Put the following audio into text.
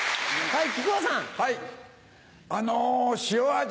はい。